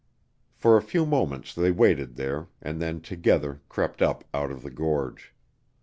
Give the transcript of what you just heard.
For a few moments they waited there, and then together crept up out of the gorge.